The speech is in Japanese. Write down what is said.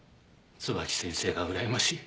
椿木先生がうらやましい。